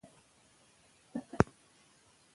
که پښتو ژبه وي، نو کلتوري روایتونه نه زوال مومي.